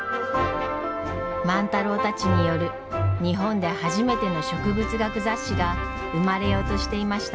万太郎たちによる日本で初めての植物学雑誌が生まれようとしていました。